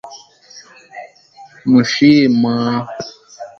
Era perceptível o quão cansado ele estava.